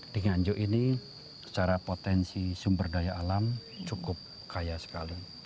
di nganjuk ini secara potensi sumber daya alam cukup kaya sekali